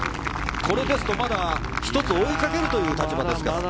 これですと、まだ１つ追いかけるという立場ですか。